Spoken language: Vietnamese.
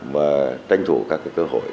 và tranh thủ các cái cơ hội